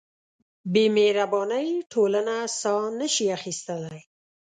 بېمهربانۍ ټولنه ساه نهشي اخیستلی.